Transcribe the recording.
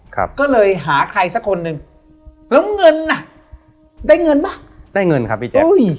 ครับก็เลยหาใครสักคนหนึ่งแล้วเงินน่ะได้เงินป่ะได้เงินครับพี่แจ๊อุ้ย